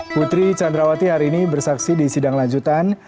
putri candrawati hari ini bersaksi di sidang lanjutan